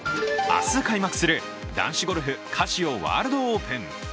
明日開幕する、男子ゴルフカシオワールドオープン。